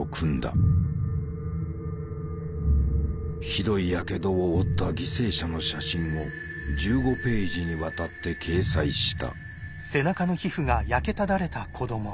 ひどい火傷を負った犠牲者の写真を１５ページにわたって掲載した。